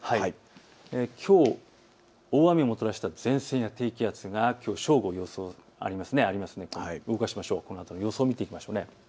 きょう大雨をもたらした前線や低気圧がこのあとの予想を見ていきましょう。